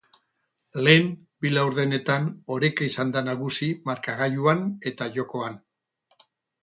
Lehen bi laurdenetan oreka izan da nagusi markagailuan eta jokoan.